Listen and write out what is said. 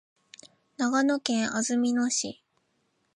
長野県安曇野市